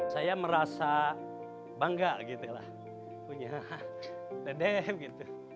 saya merasa bangga gitu lah punya dede gitu